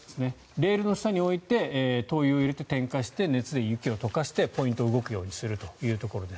レールの下に置いて灯油を入れて点火して熱で雪を溶かしてポイントが動くようにするというところです。